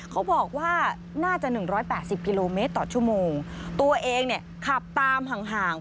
เขาบอกว่าน่าจะหนึ่งร้อยแปดสิบกิโลเมตรต่อชั่วโมงตัวเองเนี่ยขับตามห่างห่าง